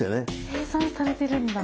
計算されてるんだ。